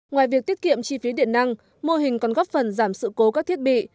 ngoài việc tiết kiệm chi phí điện năng mô hình còn góp phần giảm sự cố các thiết bị